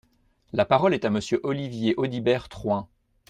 La parole est à Monsieur Olivier Audibert Troin.